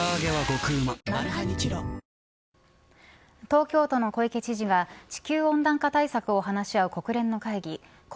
東京都の小池知事が地球温暖化対策を話し合う国連の会議